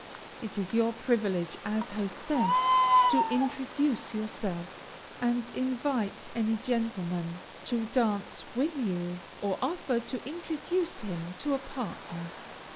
It is your privilege as hostess to introduce yourself, and invite any gentleman to dance with you, or offer to introduce him to a partner.